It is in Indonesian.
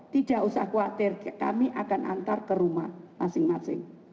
tidak usah khawatir kami akan antar ke rumah masing masing